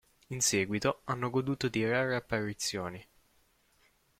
In seguito hanno goduto di rare apparizioni.